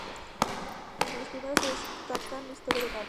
Entre los primeros se destacan "Historia de Carmen.